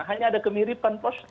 hanya ada kemiripan pos